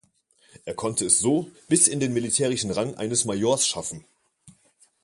Er konnte es so bis in den militärischen Rang eines Majors schaffen.